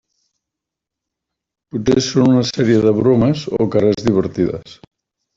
Potser són una sèrie de bromes o cares divertides.